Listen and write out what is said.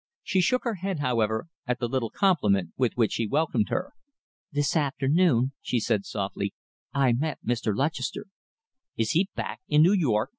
She shook her head, however, at the little compliment with which he welcomed her. "This afternoon," she said softly, "I met Mr. Lutchester." "Is he back in New York?"